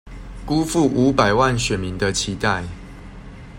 辜負五百萬選民的期待